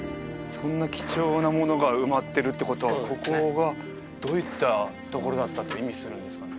そんな貴重なものが埋まってるってことはここがどういったところだったと意味するんですかね？